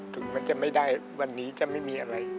ถึงมันจะไม่ได้วันนี้จะไม่มีอะไร